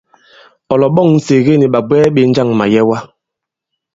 Ɔ̀ lɔ̀ɓɔ̂ŋ Nsège nì ɓàbwɛɛ ɓē njâŋ màyɛwa?